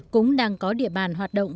cũng đang có địa bàn hoạt động